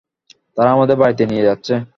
তারা আমাদের বাড়িতে নিয়ে যাচ্ছে।